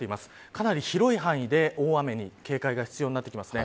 かなり広い範囲で大雨に警戒が必要になってきます。